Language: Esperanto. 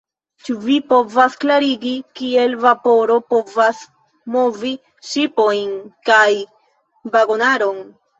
Ĉu vi povas klarigi, kiel vaporo povas movi ŝipojn kaj vagonaron?